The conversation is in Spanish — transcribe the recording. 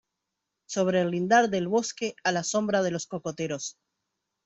sobre el lindar del bosque, a la sombra de los cocoteros